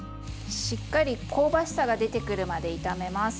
しっかり香ばしさが出てくるまで炒めます。